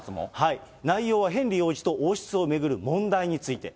内容はヘンリー王子と王室を巡る問題について。